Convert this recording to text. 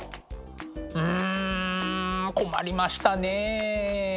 うん困りましたねえ。